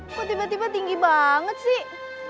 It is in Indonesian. kok tiba tiba tinggi banget sih